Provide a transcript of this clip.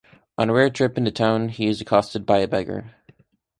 On a rare trip into town, he is accosted by a beggar.